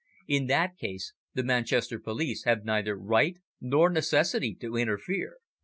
"In that case the Manchester police have neither right nor necessity to interfere."